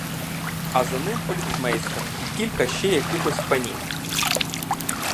А за ним поліцмейстер і кілька ще якихось панів.